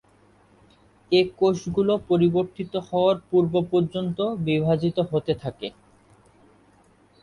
এ কোষগুলো পরিবর্তিত হওয়ার পূর্ব পর্যন্ত বিভাজিত হতে থাকে।